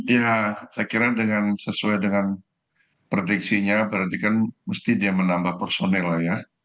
ya saya kira sesuai dengan prediksinya berarti kan mesti dia menambah personel lah ya